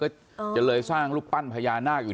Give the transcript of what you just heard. กำลังสร้างพญานาคอยู่